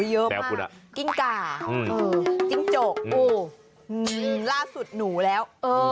เยอะมากกิ้งก่าจิ้งโจกอู่ล่าสุดหนูแล้ว